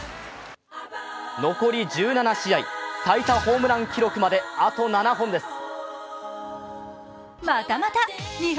残り１７試合、最多ホームラン記録まで、あと７本です。